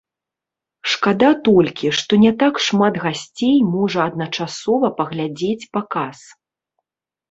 Шкада толькі, што не так шмат гасцей можа адначасова паглядзець паказ.